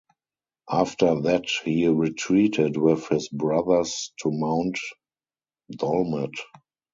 After that he retreated with his brothers to Mount Dolmed.